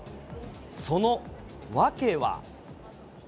その訳は。